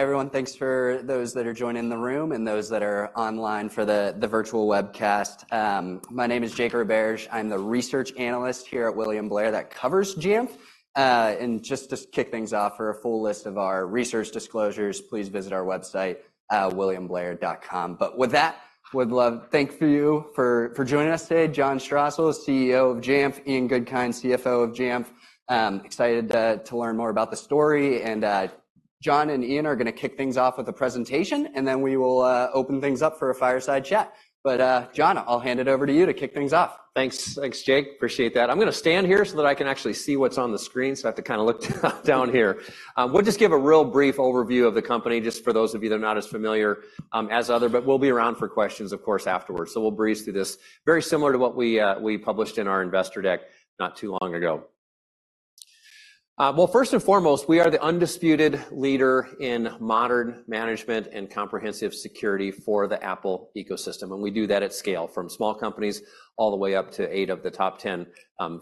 Hi, everyone. Thanks for those that are joining in the room and those that are online for the virtual webcast. My name is Jake Roberge. I'm the research analyst here at William Blair that covers Jamf. And just to kick things off, for a full list of our research disclosures, please visit our website, williamblair.com. But with that, thank you for joining us today, John Strosahl, CEO of Jamf, Ian Goodkind, CFO of Jamf. Excited to learn more about the story, and John and Ian are gonna kick things off with a presentation, and then we will open things up for a fireside chat. But John, I'll hand it over to you to kick things off. Thanks. Thanks, Jake. Appreciate that. I'm gonna stand here so that I can actually see what's on the screen, so I have to kind of look down, down here. We'll just give a real brief overview of the company, just for those of you that are not as familiar, as other, but we'll be around for questions, of course, afterwards. So we'll breeze through this. Very similar to what we, we published in our investor deck not too long ago. Well, first and foremost, we are the undisputed leader in modern management and comprehensive security for the Apple ecosystem, and we do that at scale, from small companies all the way up to 8 of the top 10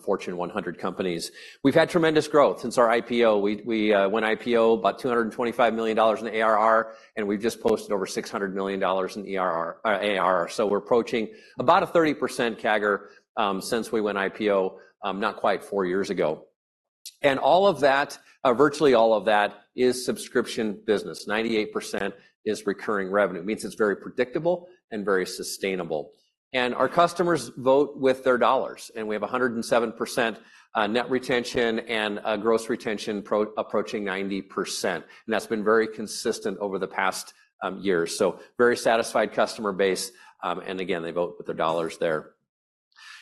Fortune 100 companies. We've had tremendous growth since our IPO. We went IPO about $225 million in ARR, and we've just posted over $600 million in ARR. So we're approaching about a 30% CAGR since we went IPO not quite four years ago. And all of that, virtually all of that, is subscription business. 98% is recurring revenue. Means it's very predictable and very sustainable. And our customers vote with their dollars, and we have a 107% net retention and gross retention approaching 90%, and that's been very consistent over the past years. So very satisfied customer base. And again, they vote with their dollars there.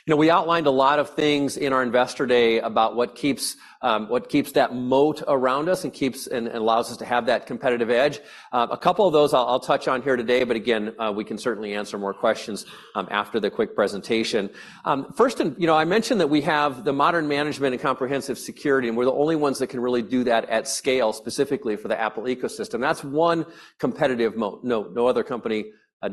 You know, we outlined a lot of things in our Investor Day about what keeps, what keeps that moat around us and keeps and, and allows us to have that competitive edge. A couple of those I'll, I'll touch on here today, but again, we can certainly answer more questions, after the quick presentation. First and, you know, I mentioned that we have the modern management and comprehensive security, and we're the only ones that can really do that at scale, specifically for the Apple ecosystem. That's one competitive moat. No, no other company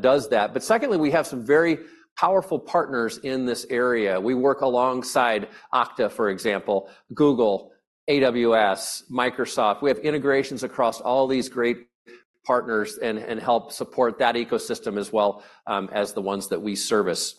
does that. But secondly, we have some very powerful partners in this area. We work alongside Okta, for example, Google, AWS, Microsoft. We have integrations across all these great partners and, and help support that ecosystem as well, as the ones that we service.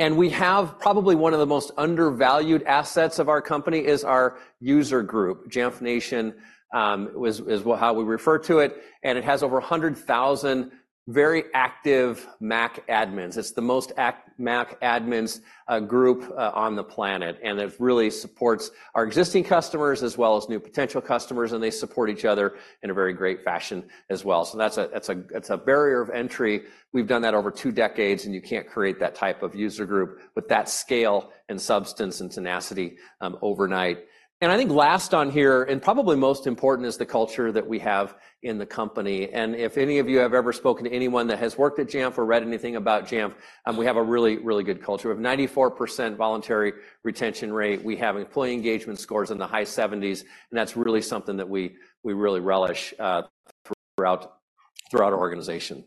We have probably one of the most undervalued assets of our company is our user group. Jamf Nation is how we refer to it, and it has over 100,000 very active Mac admins. It's the most active Mac admins group on the planet, and it really supports our existing customers as well as new potential customers, and they support each other in a very great fashion as well. So that's a barrier of entry. We've done that over two decades, and you can't create that type of user group with that scale and substance and tenacity overnight. And I think last on here, and probably most important, is the culture that we have in the company. If any of you have ever spoken to anyone that has worked at Jamf or read anything about Jamf, we have a really, really good culture. We have 94% voluntary retention rate. We have employee engagement scores in the high seventies, and that's really something that we really relish throughout our organization.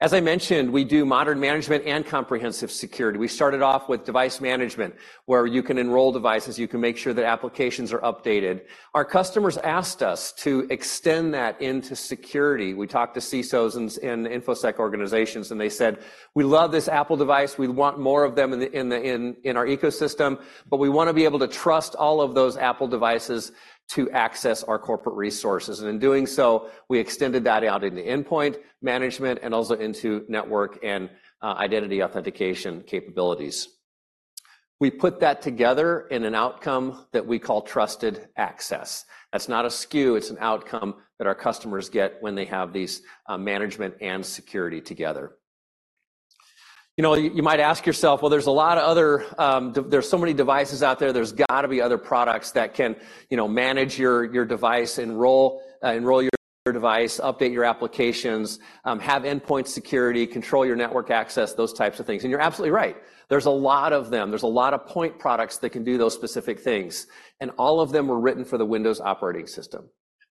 As I mentioned, we do modern management and comprehensive security. We started off with device management, where you can enroll devices, you can make sure that applications are updated. Our customers asked us to extend that into security. We talked to CISOs and InfoSec organizations, and they said: "We love this Apple device. We want more of them in our ecosystem, but we want to be able to trust all of those Apple devices to access our corporate resources. And in doing so, we extended that out into endpoint management and also into network and identity authentication capabilities. We put that together in an outcome that we call Trusted Access. That's not a SKU. It's an outcome that our customers get when they have these management and security together. You know, you might ask yourself, "Well, there's a lot of other. There's so many devices out there, there's got to be other products that can, you know, manage your device, enroll your device, update your applications, have endpoint security, control your network access, those types of things." And you're absolutely right. There's a lot of them. There's a lot of point products that can do those specific things, and all of them were written for the Windows operating system.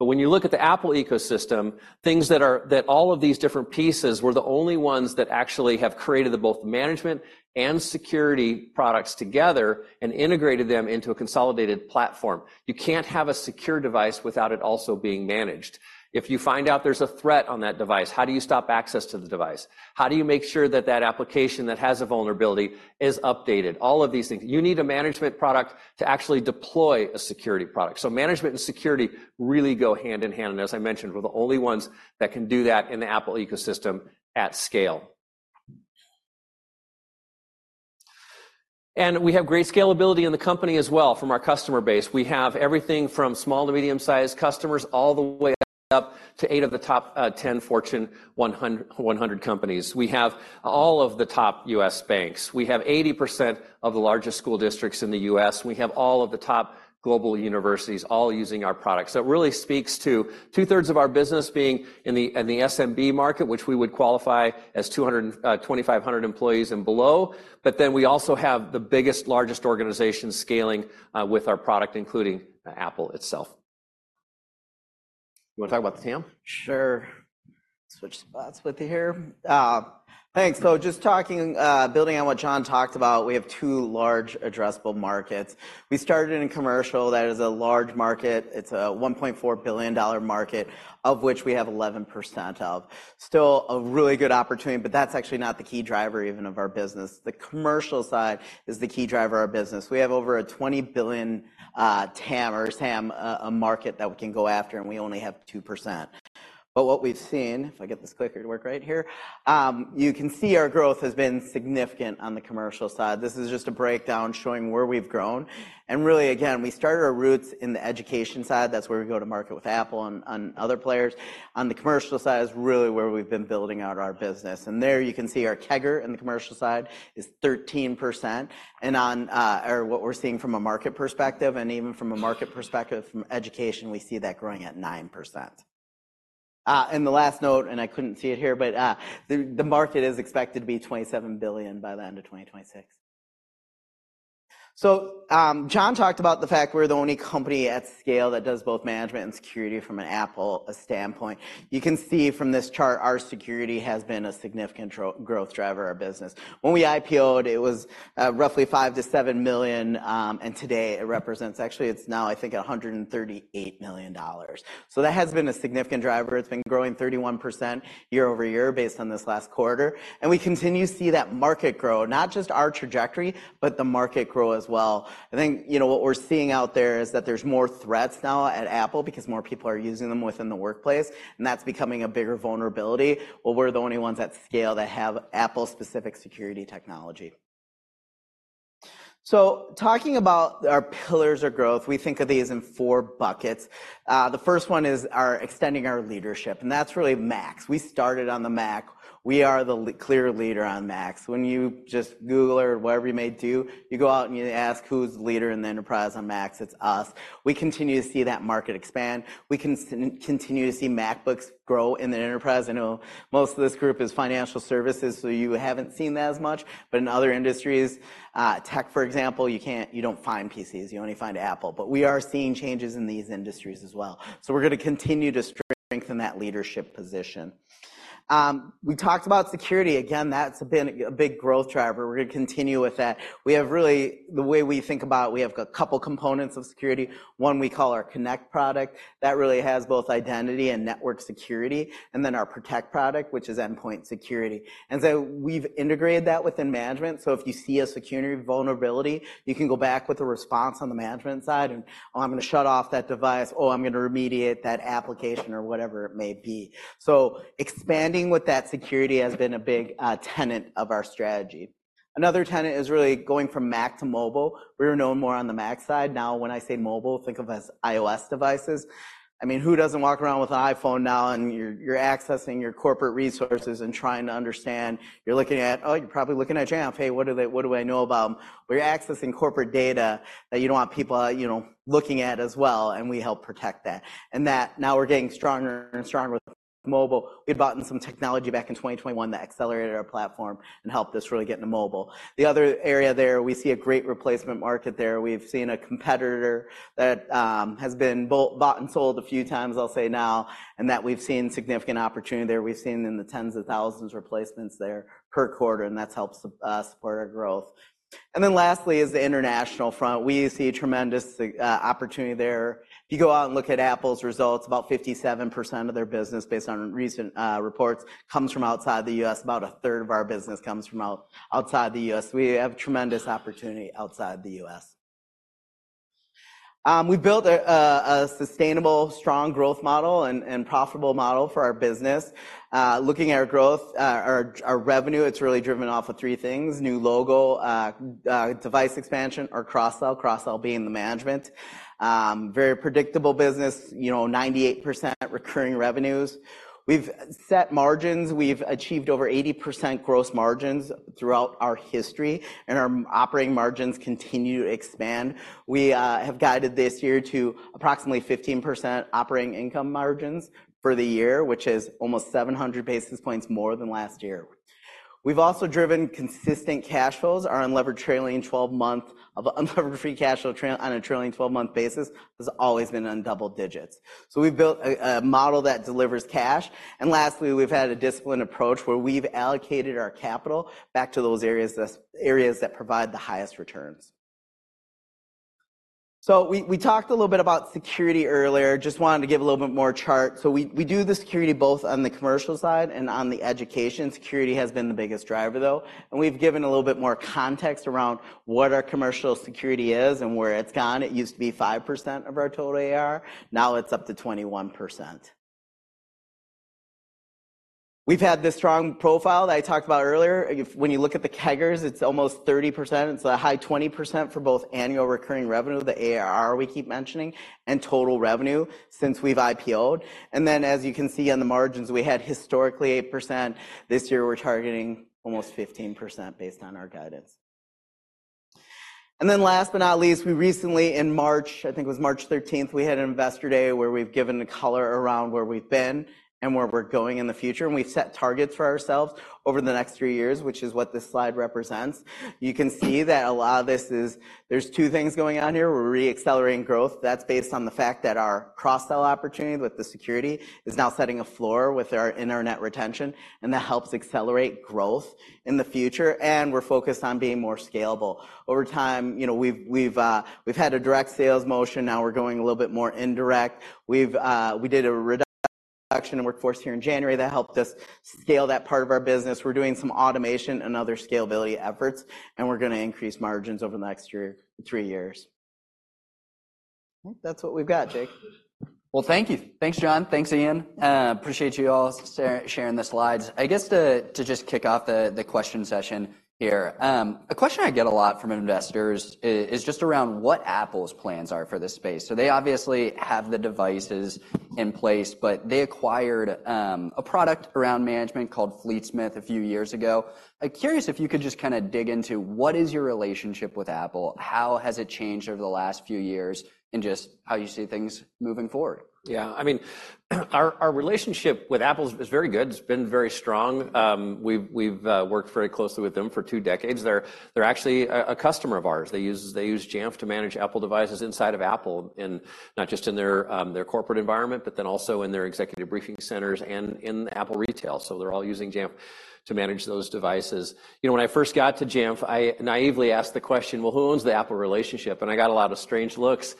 But when you look at the Apple ecosystem, things that are, that all of these different pieces were the only ones that actually have created the both management and security products together and integrated them into a consolidated platform. You can't have a secure device without it also being managed. If you find out there's a threat on that device, how do you stop access to the device? How do you make sure that that application that has a vulnerability is updated? All of these things. You need a management product to actually deploy a security product. So management and security really go hand in hand, and as I mentioned, we're the only ones that can do that in the Apple ecosystem at scale. We have great scalability in the company as well from our customer base. We have everything from small to medium-sized customers, all the way up to eight of the top 10 Fortune 100 companies. We have all of the top U.S. banks. We have 80% of the largest school districts in the U.S. We have all of the top global universities all using our products. It really speaks to two-thirds of our business being in the SMB market, which we would qualify as 200 and 2,500 employees and below. But then we also have the biggest largest organizations scaling with our product, including Apple itself. You want to talk about the TAM? Sure.... switch spots with you here. Thanks. So just talking, building on what John talked about, we have two large addressable markets. We started in commercial. That is a large market. It's a $1.4 billion market, of which we have 11% of. Still a really good opportunity, but that's actually not the key driver even of our business. The commercial side is the key driver of our business. We have over a $20 billion, TAM or SAM, market that we can go after, and we only have 2%. But what we've seen, if I get this clicker to work right here, you can see our growth has been significant on the commercial side. This is just a breakdown showing where we've grown. And really, again, we started our roots in the education side. That's where we go to market with Apple and other players. On the commercial side is really where we've been building out our business, and there you can see our CAGR in the commercial side is 13%. And on or what we're seeing from a market perspective, and even from a market perspective from education, we see that growing at 9%. And the last note, and I couldn't see it here, but the market is expected to be $27 billion by the end of 2026. So, John talked about the fact we're the only company at scale that does both management and security from an Apple standpoint. You can see from this chart, our security has been a significant growth driver of our business. When we IPO'd, it was roughly $5 million-$7 million, and today it represents, actually, it's now, I think, $138 million. So that has been a significant driver. It's been growing 31% year-over-year based on this last quarter, and we continue to see that market grow, not just our trajectory, but the market grow as well. I think, you know, what we're seeing out there is that there's more threats now at Apple because more people are using them within the workplace, and that's becoming a bigger vulnerability. Well, we're the only ones at scale that have Apple-specific security technology. So talking about our pillars of growth, we think of these in 4 buckets. The first one is our extending our leadership, and that's really Macs. We started on the Mac. We are the clear leader on Macs. When you just Google or whatever you may do, you go out and you ask, "Who's the leader in the enterprise on Macs?" It's us. We continue to see that market expand. We continue to see MacBooks grow in the enterprise. I know most of this group is financial services, so you haven't seen that as much. But in other industries, tech, for example, you can't, you don't find PCs, you only find Apple. But we are seeing changes in these industries as well. So we're gonna continue to strengthen that leadership position. We talked about security. Again, that's been a big growth driver. We're gonna continue with that. We have really, the way we think about it, we have a couple components of security. One we call our Connect product. That really has both identity and network security, and then our Protect product, which is endpoint security. And so we've integrated that within management. So if you see a security vulnerability, you can go back with a response on the management side and, "Oh, I'm gonna shut off that device," "Oh, I'm gonna remediate that application," or whatever it may be. So expanding with that security has been a big tenet of our strategy. Another tenet is really going from Mac to mobile. We were known more on the Mac side. Now, when I say mobile, think of as iOS devices. I mean, who doesn't walk around with an iPhone now, and you're, you're accessing your corporate resources and trying to understand... You're looking at, oh, you're probably looking at Jamf. Hey, what do they, what do I know about them?" Well, you're accessing corporate data that you don't want people, you know, looking at as well, and we help protect that. That, now we're getting stronger and stronger with mobile. We bought in some technology back in 2021 that accelerated our platform and helped us really get into mobile. The other area there, we see a great replacement market there. We've seen a competitor that has been bought, bought and sold a few times, I'll say now, and that we've seen significant opportunity there. We've seen in the tens of thousands replacements there per quarter, and that's helped us support our growth. Then lastly, is the international front. We see tremendous opportunity there. If you go out and look at Apple's results, about 57% of their business, based on recent reports, comes from outside the U.S. About a third of our business comes from outside the U.S. We have tremendous opportunity outside the U.S. We've built a sustainable, strong growth model and profitable model for our business. Looking at our growth, our revenue, it's really driven off of three things: new logo, device expansion, or cross-sell, cross-sell being the management. Very predictable business, you know, 98% recurring revenues. We've set margins. We've achieved over 80% gross margins throughout our history, and our operating margins continue to expand. We have guided this year to approximately 15% operating income margins for the year, which is almost 700 basis points more than last year. We've also driven consistent cash flows. Our unlevered trailing twelve-month unlevered free cash flow trailing on a trailing twelve-month basis has always been in double digits. So we've built a model that delivers cash. And lastly, we've had a disciplined approach where we've allocated our capital back to those areas that provide the highest returns. So we talked a little bit about security earlier, just wanted to give a little bit more chart. So we do the security both on the commercial side and on the education. Security has been the biggest driver, though, and we've given a little bit more context around what our commercial security is and where it's gone. It used to be 5% of our total ARR. Now it's up to 21%. We've had this strong profile that I talked about earlier. If, when you look at the CAGR, it's almost 30%. It's a high 20% for both annual recurring revenue, the ARR we keep mentioning, and total revenue since we've IPO'd. And then, as you can see on the margins, we had historically 8%. This year, we're targeting almost 15% based on our guidance. And then last but not least, we recently, in March, I think it was March 13th, we had an investor day where we've given the color around where we've been and where we're going in the future, and we've set targets for ourselves over the next three years, which is what this slide represents. You can see that a lot of this is. There's two things going on here. We're re-accelerating growth. That's based on the fact that our cross-sell opportunity with the security is now setting a floor with our net retention, and that helps accelerate growth in the future, and we're focused on being more scalable. Over time, you know, we've had a direct sales motion, now we're going a little bit more indirect. We did a reduction in workforce here in January that helped us scale that part of our business. We're doing some automation and other scalability efforts, and we're gonna increase margins over the next year, three years. I think that's what we've got, Jake. Well, thank you. Thanks, John. Thanks, Ian. Appreciate you all sharing the slides. I guess to just kick off the question session here, a question I get a lot from investors is just around what Apple's plans are for this space. So they obviously have the devices in place, but they acquired a product around management called Fleetsmith a few years ago. I'm curious if you could just kinda dig into what is your relationship with Apple, how has it changed over the last few years, and just how you see things moving forward? Yeah, I mean, our relationship with Apple is very good. It's been very strong. We've worked very closely with them for two decades. They're actually a customer of ours. They use Jamf to manage Apple devices inside of Apple, and not just in their corporate environment, but then also in their executive briefing centers and in Apple Retail. So they're all using Jamf to manage those devices. You know, when I first got to Jamf, I naively asked the question: "Well, who owns the Apple relationship?" And I got a lot of strange looks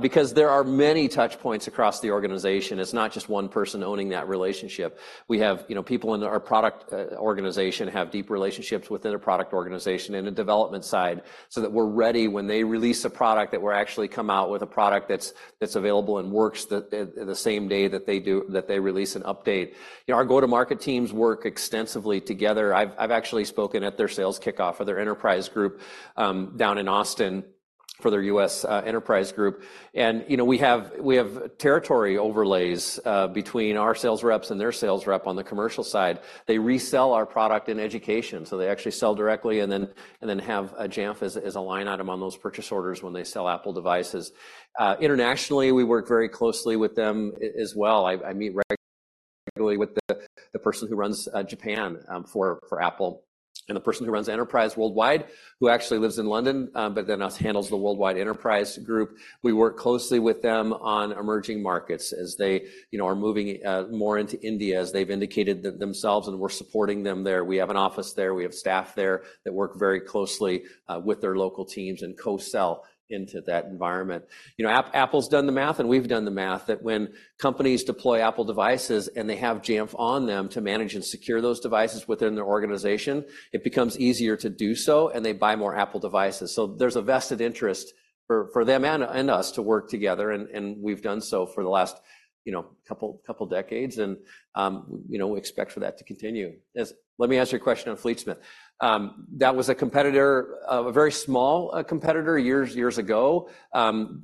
because there are many touch points across the organization. It's not just one person owning that relationship. We have, you know, people in our product organization have deep relationships within a product organization and the development side, so that we're ready when they release a product, that we're actually come out with a product that's available and works the same day that they do, that they release an update. You know, our go-to-market teams work extensively together. I've actually spoken at their sales kickoff for their enterprise group down in Austin for their US enterprise group. And, you know, we have territory overlays between our sales reps and their sales rep on the commercial side. They resell our product in education, so they actually sell directly and then have Jamf as a line item on those purchase orders when they sell Apple devices. Internationally, we work very closely with them as well. I meet regularly with the person who runs Japan for Apple, and the person who runs Enterprise Worldwide, who actually lives in London, but then US handles the Worldwide Enterprise group. We work closely with them on emerging markets as they, you know, are moving more into India, as they've indicated themselves, and we're supporting them there. We have an office there, we have staff there that work very closely with their local teams and co-sell into that environment. You know, Apple's done the math, and we've done the math, that when companies deploy Apple devices and they have Jamf on them to manage and secure those devices within their organization, it becomes easier to do so, and they buy more Apple devices. So there's a vested interest for them and us to work together, and we've done so for the last, you know, couple decades. And, you know, we expect for that to continue. Let me answer your question on Fleetsmith. That was a competitor, a very small competitor years ago.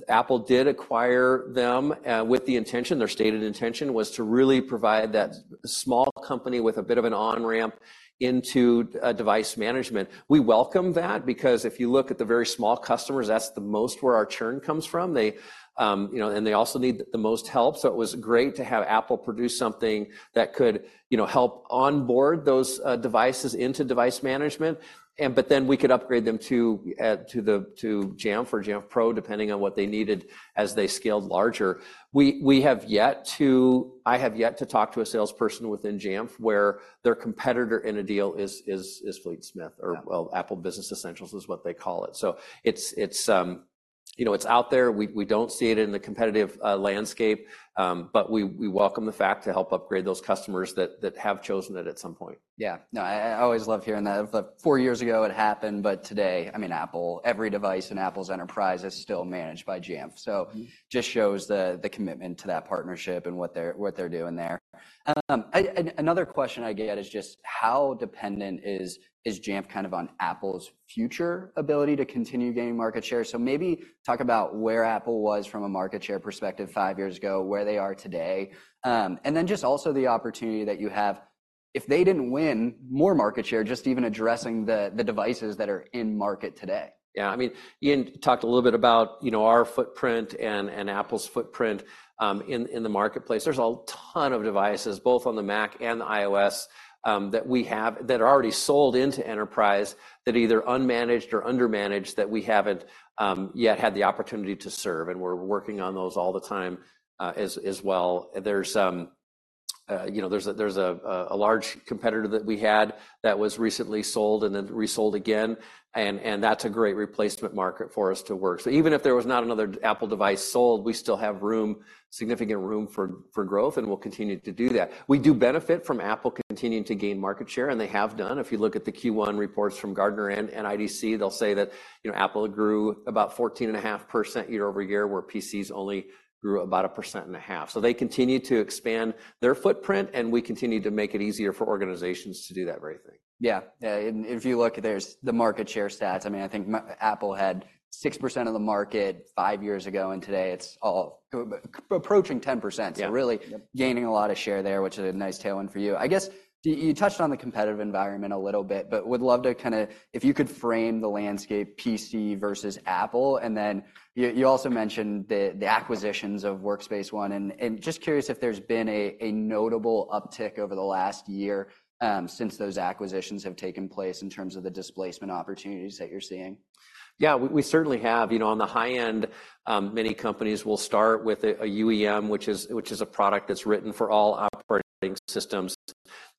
Apple did acquire them, with the intention, their stated intention was to really provide that small company with a bit of an on-ramp into device management. We welcome that because if you look at the very small customers, that's the most where our churn comes from. They, you know, and they also need the most help, so it was great to have Apple produce something that could, you know, help onboard those devices into device management. Then we could upgrade them to the Jamf or Jamf Pro, depending on what they needed as they scaled larger. We have yet to... I have yet to talk to a salesperson within Jamf where their competitor in a deal is Fleetsmith or, well, Apple Business Essentials is what they call it. So it's, it's, you know, it's out there. We don't see it in the competitive landscape, but we welcome the fact to help upgrade those customers that have chosen it at some point. Yeah. No, I always love hearing that. But four years ago, it happened, but today, I mean, Apple, every device in Apple's enterprise is still managed by Jamf. Mm-hmm. So just shows the commitment to that partnership and what they're doing there. Another question I get is just how dependent is Jamf kind of on Apple's future ability to continue gaining market share? So maybe talk about where Apple was from a market share perspective five years ago, where they are today, and then just also the opportunity that you have if they didn't win more market share, just even addressing the devices that are in market today. Yeah, I mean, Ian talked a little bit about, you know, our footprint and Apple's footprint in the marketplace. There's a ton of devices, both on the Mac and the iOS, that we have that are already sold into enterprise, that either unmanaged or undermanaged, that we haven't yet had the opportunity to serve, and we're working on those all the time, as well. There's, you know, there's a large competitor that we had that was recently sold and then resold again, and that's a great replacement market for us to work. So even if there was not another Apple device sold, we still have room, significant room for growth, and we'll continue to do that. We do benefit from Apple continuing to gain market share, and they have done. If you look at the Q1 reports from Gartner and IDC, they'll say that, you know, Apple grew about 14.5% year-over-year, where PCs only grew about 1.5%. So they continue to expand their footprint, and we continue to make it easier for organizations to do that very thing. Yeah. And if you look, there's the market share stats. I mean, I think Apple had 6% of the market five years ago, and today it's approaching 10%. Yeah. So really- Yep... gaining a lot of share there, which is a nice tailwind for you. I guess, you touched on the competitive environment a little bit, but would love to kinda, if you could frame the landscape, PC versus Apple. And then you also mentioned the acquisitions of Workspace ONE, and just curious if there's been a notable uptick over the last year, since those acquisitions have taken place in terms of the displacement opportunities that you're seeing. Yeah, we certainly have. You know, on the high end, many companies will start with a UEM, which is a product that's written for all operating systems.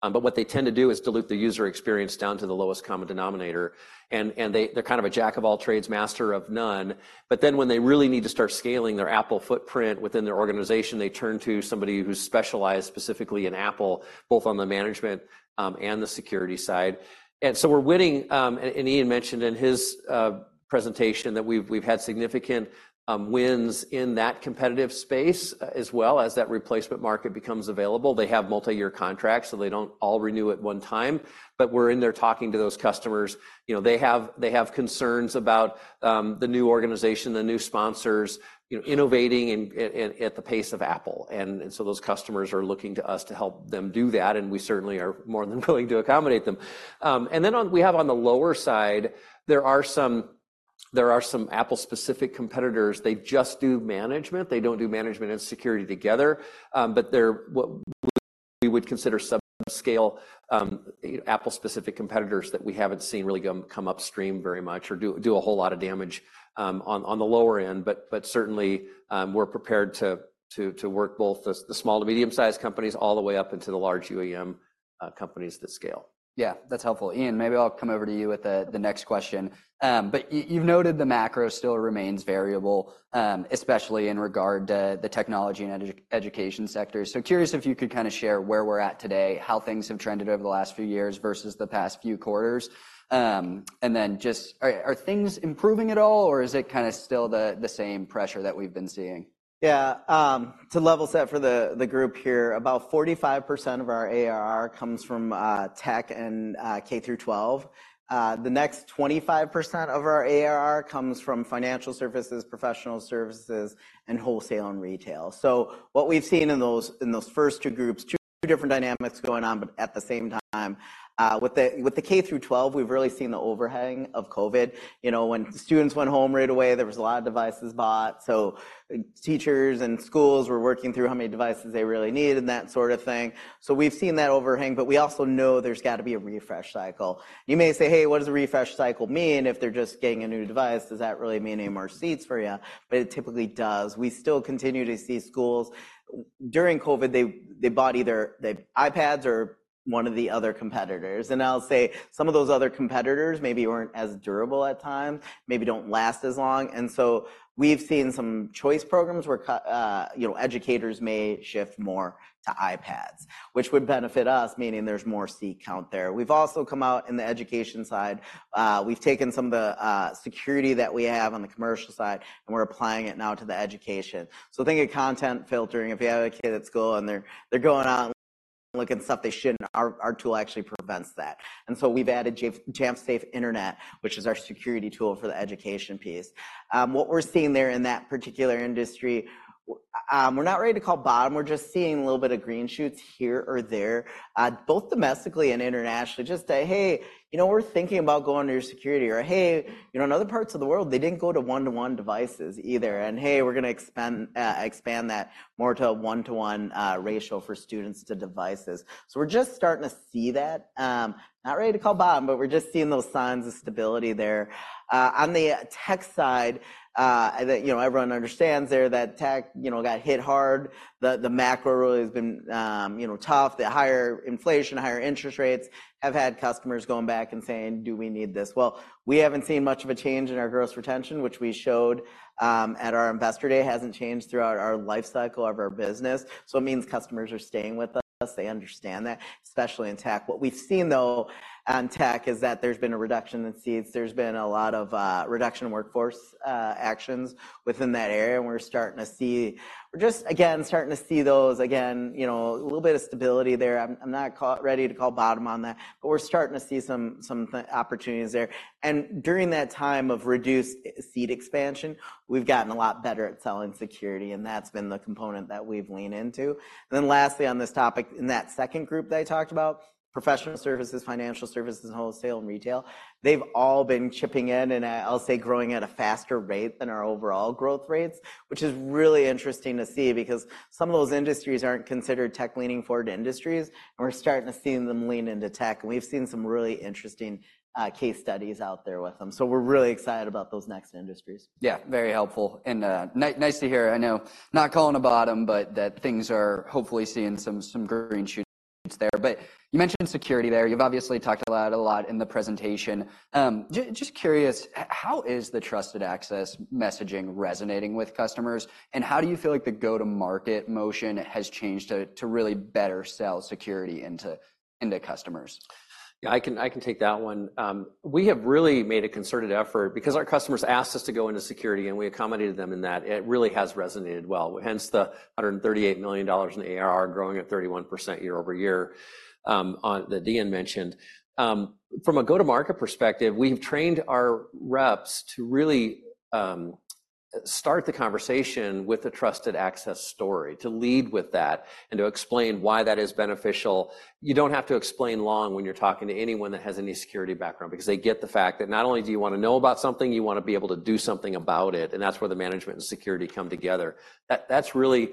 But what they tend to do is dilute the user experience down to the lowest common denominator, and they, they're kind of a jack of all trades, master of none. But then when they really need to start scaling their Apple footprint within their organization, they turn to somebody who's specialized specifically in Apple, both on the management and the security side. And so we're winning, and Ian mentioned in his presentation that we've had significant wins in that competitive space as well. As that replacement market becomes available, they have multi-year contracts, so they don't all renew at one time. But we're in there talking to those customers. You know, they have concerns about the new organization, the new sponsors, you know, innovating and at the pace of Apple. And so those customers are looking to us to help them do that, and we certainly are more than willing to accommodate them. And then on—we have on the lower side, there are some Apple-specific competitors. They just do management. They don't do management and security together, but they're what we would consider sub-scale, Apple-specific competitors that we haven't seen really come upstream very much or do a whole lot of damage, on the lower end. But certainly, we're prepared to work both the small to medium-sized companies all the way up into the large UEM companies that scale. Yeah, that's helpful. Ian, maybe I'll come over to you with the next question. But you've noted the macro still remains variable, especially in regard to the technology and education sector. So curious if you could kinda share where we're at today, how things have trended over the last few years versus the past few quarters. And then, are things improving at all, or is it kinda still the same pressure that we've been seeing? Yeah. To level set for the group here, about 45% of our ARR comes from tech and K through 12. The next 25% of our ARR comes from financial services, professional services, and wholesale and retail. So what we've seen in those, in those first two groups, two different dynamics going on, but at the same time. With the K through 12, we've really seen the overhang of COVID. You know, when students went home right away, there was a lot of devices bought, so teachers and schools were working through how many devices they really needed and that sort of thing. So we've seen that overhang, but we also know there's got to be a refresh cycle. You may say, "Hey, what does a refresh cycle mean? If they're just getting a new device, does that really mean any more seats for you?" But it typically does. We still continue to see schools. During COVID, they bought either the iPads or one of the other competitors. And I'll say, some of those other competitors maybe weren't as durable at times, maybe don't last as long. And so we've seen some choice programs where you know, educators may shift more to iPads, which would benefit us, meaning there's more seat count there. We've also come out in the education side. We've taken some of the security that we have on the commercial side, and we're applying it now to the education. So think of content filtering. If you have a kid at school and they're going on looking at stuff they shouldn't, our tool actually prevents that. And so we've added Jamf Safe Internet, which is our security tool for the education piece. What we're seeing there in that particular industry, we're not ready to call bottom. We're just seeing a little bit of green shoots here or there, both domestically and internationally. Just a, "Hey, you know, we're thinking about going to your security," or, "Hey, you know, in other parts of the world, they didn't go to one-to-one devices either," and, "Hey, we're gonna expand that more to a one-to-one ratio for students to devices." So we're just starting to see that. Not ready to call bottom, but we're just seeing those signs of stability there. On the tech side, that, you know, everyone understands there, that tech, you know, got hit hard. The macro really has been, you know, tough. The higher inflation, higher interest rates have had customers going back and saying, "Do we need this?" Well, we haven't seen much of a change in our gross retention, which we showed at our Investor Day, hasn't changed throughout our life cycle of our business. So it means customers are staying with us. They understand that, especially in tech. What we've seen, though, on tech, is that there's been a reduction in seats. There's been a lot of reduction in workforce actions within that area, and we're starting to see. We're just, again, starting to see those again, you know, a little bit of stability there. I'm not ready to call bottom on that, but we're starting to see some opportunities there. During that time of reduced seat expansion, we've gotten a lot better at selling security, and that's been the component that we've leaned into. Then lastly, on this topic, in that second group that I talked about, professional services, financial services, wholesale, and retail, they've all been chipping in and, I'll say, growing at a faster rate than our overall growth rates. Which is really interesting to see because some of those industries aren't considered tech-leaning-forward industries, and we're starting to see them lean into tech. And we've seen some really interesting case studies out there with them. So we're really excited about those next industries. Yeah, very helpful and, nice to hear. I know, not calling a bottom, but that things are hopefully seeing some green shoots there. But you mentioned security there. You've obviously talked about it a lot in the presentation. Just curious, how is the Trusted Access messaging resonating with customers, and how do you feel like the go-to-market motion has changed to really better sell security into customers? Yeah, I can, I can take that one. We have really made a concerted effort because our customers asked us to go into security, and we accommodated them in that. It really has resonated well, hence the $138 million in ARR growing at 31% year-over-year that Ian mentioned. From a go-to-market perspective, we've trained our reps to really start the conversation with the Trusted Access story, to lead with that and to explain why that is beneficial. You don't have to explain long when you're talking to anyone that has any security background because they get the fact that not only do you wanna know about something, you wanna be able to do something about it, and that's where the management and security come together. That, that's really-...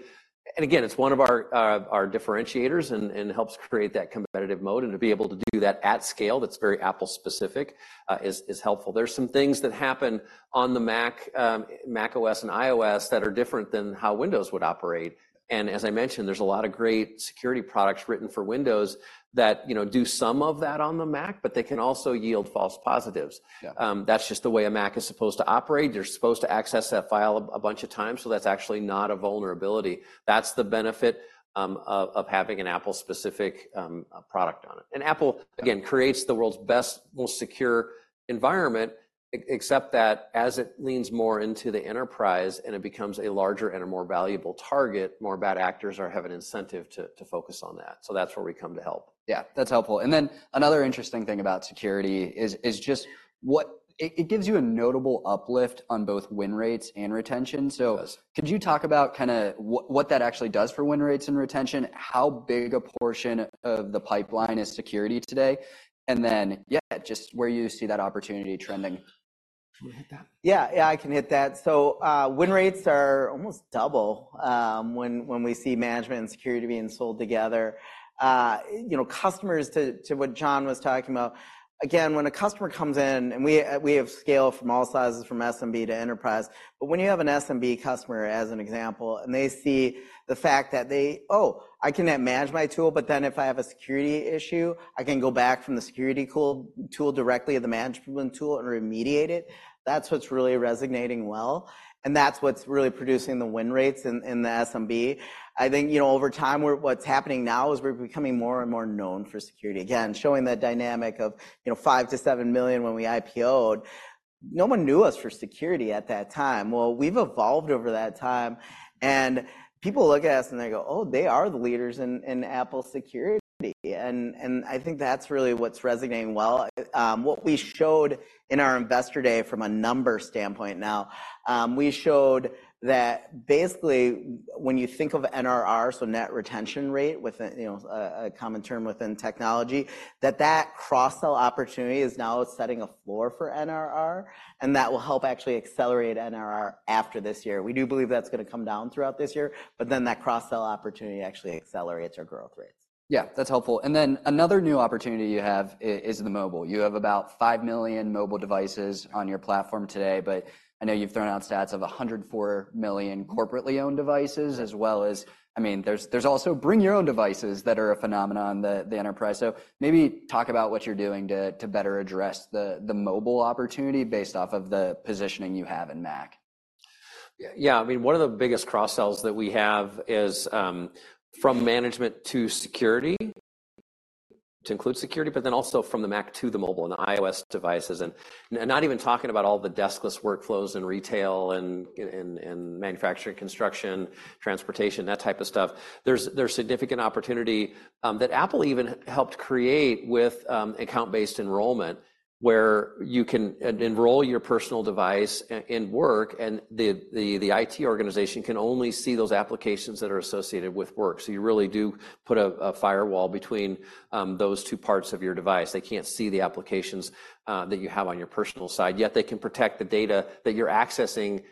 And again, it's one of our, our differentiators and, and helps create that competitive mode, and to be able to do that at scale, that's very Apple specific, is, is helpful. There's some things that happen on the Mac, macOS and iOS that are different than how Windows would operate. And as I mentioned, there's a lot of great security products written for Windows that, you know, do some of that on the Mac, but they can also yield false positives. Yeah. That's just the way a Mac is supposed to operate. They're supposed to access that file a bunch of times, so that's actually not a vulnerability. That's the benefit of having an Apple-specific product on it. And Apple, again, creates the world's best, most secure environment, except that as it leans more into the enterprise and it becomes a larger and a more valuable target, more bad actors have an incentive to focus on that. So that's where we come to help. Yeah, that's helpful. And then another interesting thing about security is just what it gives you a notable uplift on both win rates and retention. It does. Could you talk about kind of what, what that actually does for win rates and retention? How big a portion of the pipeline is security today, and then, yeah, just where you see that opportunity trending? Do you want to hit that? Yeah, yeah, I can hit that. So, win rates are almost double, when, when we see management and security being sold together. You know, customers, to, to what John was talking about, again, when a customer comes in, and we, we have scale from all sizes, from SMB to enterprise, but when you have an SMB customer, as an example, and they see the fact that they, "Oh, I can manage my tool, but then if I have a security issue, I can go back from the security tool directly to the management tool and remediate it," that's what's really resonating well, and that's what's really producing the win rates in the SMB. I think, you know, over time, what's happening now is we're becoming more and more known for security. Again, showing that dynamic of, you know, $5 million-$7 million when we IPO'd, no one knew us for security at that time. Well, we've evolved over that time, and people look at us, and they go, "Oh, they are the leaders in, in Apple security." And, and I think that's really what's resonating well. What we showed in our Investor Day, from a numbers standpoint now, we showed that basically, when you think of NRR, so net retention rate, within, you know, a common term within technology, that that cross-sell opportunity is now setting a floor for NRR, and that will help actually accelerate NRR after this year. We do believe that's going to come down throughout this year, but then that cross-sell opportunity actually accelerates our growth rates. Yeah, that's helpful. Then another new opportunity you have is the mobile. You have about 5 million mobile devices on your platform today, but I know you've thrown out stats of 104 million corporately owned devices, as well as, I mean, there's also bring your own devices that are a phenomenon that the enterprise... So maybe talk about what you're doing to better address the mobile opportunity based off of the positioning you have in Mac. Yeah, yeah. I mean, one of the biggest cross-sells that we have is from management to security, to include security, but then also from the Mac to the mobile and the iOS devices. And not even talking about all the deskless workflows in retail and in manufacturing, construction, transportation, that type of stuff. There's significant opportunity that Apple even helped create with account-based enrollment, where you can enroll your personal device in work, and the IT organization can only see those applications that are associated with work. So you really do put a firewall between those two parts of your device. They can't see the applications that you have on your personal side, yet they can protect the data that you're accessing,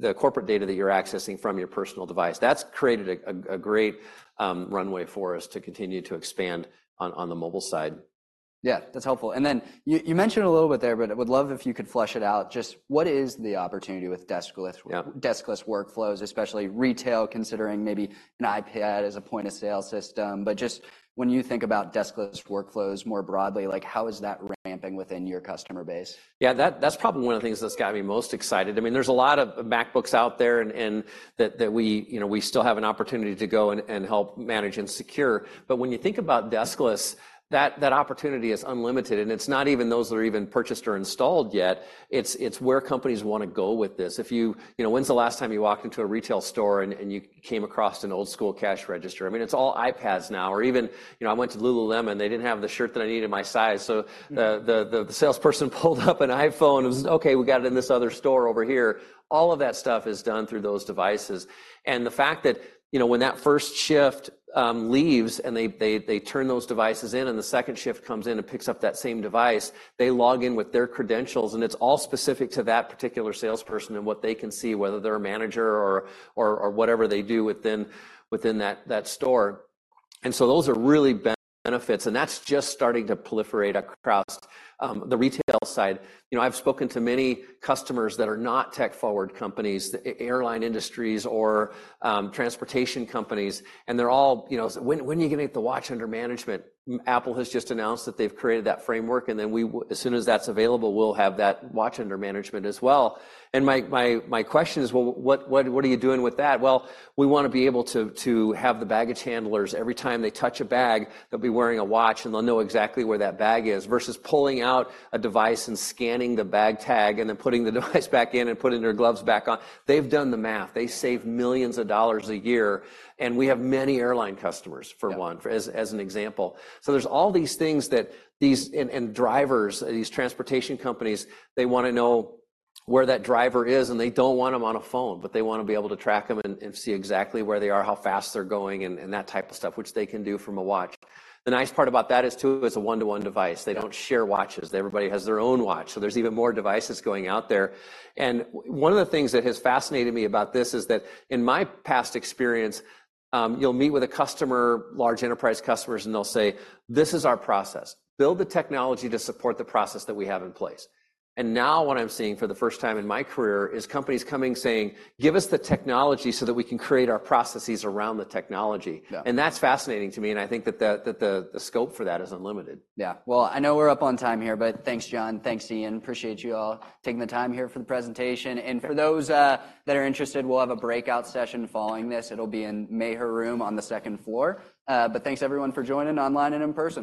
the corporate data that you're accessing from your personal device. That's created a great runway for us to continue to expand on the mobile side. Yeah, that's helpful. And then you, you mentioned a little bit there, but I would love if you could flesh it out, just what is the opportunity with deskless- Yeah... deskless workflows, especially retail, considering maybe an iPad as a point-of-sale system, but just when you think about deskless workflows more broadly, like, how is that ramping within your customer base? Yeah, that's probably one of the things that's got me most excited. I mean, there's a lot of MacBooks out there, and that we, you know, we still have an opportunity to go and help manage and secure. But when you think about deskless, that opportunity is unlimited, and it's not even those that are even purchased or installed yet. It's where companies want to go with this. If you... You know, when's the last time you walked into a retail store, and you came across an old-school cash register? I mean, it's all iPads now, or even, you know, I went to Lululemon, they didn't have the shirt that I needed in my size, so- Mm... the salesperson pulled up an iPhone and says, "Okay, we got it in this other store over here." All of that stuff is done through those devices. And the fact that, you know, when that first shift leaves, and they turn those devices in, and the second shift comes in and picks up that same device, they log in with their credentials, and it's all specific to that particular salesperson and what they can see, whether they're a manager or whatever they do within that store. And so those are really benefits, and that's just starting to proliferate across the retail side. You know, I've spoken to many customers that are not tech-forward companies, the airline industries or, transportation companies, and they're all, you know, "When are you gonna get the watch under management?" Apple has just announced that they've created that framework, and then as soon as that's available, we'll have that watch under management as well. And my question is: well, what are you doing with that? Well, we want to be able to have the baggage handlers, every time they touch a bag, they'll be wearing a watch, and they'll know exactly where that bag is, versus pulling out a device and scanning the bag tag and then putting the device back in and putting their gloves back on. They've done the math. They save millions of dollars a year, and we have many airline customers- Yeah... for one, as an example. So there's all these things that these drivers, these transportation companies, they want to know where that driver is, and they don't want them on a phone, but they want to be able to track them and see exactly where they are, how fast they're going, and that type of stuff, which they can do from a watch. The nice part about that is, too, it's a one-to-one device. They don't share watches. Everybody has their own watch, so there's even more devices going out there. And one of the things that has fascinated me about this is that in my past experience, you'll meet with a customer, large enterprise customers, and they'll say, "This is our process. Build the technology to support the process that we have in place." Now what I'm seeing for the first time in my career is companies coming, saying, "Give us the technology so that we can create our processes around the technology. Yeah. That's fascinating to me, and I think that the scope for that is unlimited. Yeah. Well, I know we're up on time here, but thanks, John, thanks, Ian. Appreciate you all taking the time here for the presentation. And for those that are interested, we'll have a breakout session following this. It'll be in Mayer Room on the second floor. But thanks, everyone, for joining online and in person.